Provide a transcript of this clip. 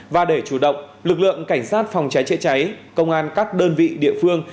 và để chủ động lực lượng cảnh sát phòng cháy chữa cháy công an các đơn vị địa phương